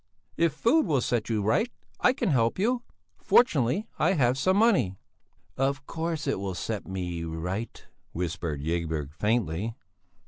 "If food will set you right, I can help you; fortunately I have some money." "Of course it will set me right," whispered Ygberg faintly.